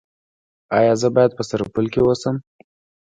ایا زه باید په سرپل کې اوسم؟